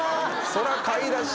そりゃ買い出し。